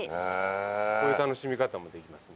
こういう楽しみ方もできますね。